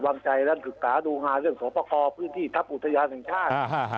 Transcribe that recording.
วางใจและศึกษาดูหาเรื่องสอบประกอบพื้นที่ทัพอุทยานแห่งชาติ